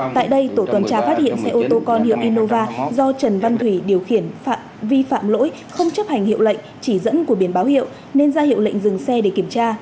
tại đây tổ tuần tra phát hiện xe ô tô con hiệu inova do trần văn thủy điều khiển vi phạm lỗi không chấp hành hiệu lệnh chỉ dẫn của biển báo hiệu nên ra hiệu lệnh dừng xe để kiểm tra